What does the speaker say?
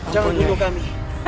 jangan bunuh kami